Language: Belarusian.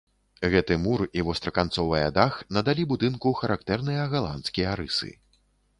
Гэты мур і востраканцовая дах надалі будынку характэрныя галандскія рысы.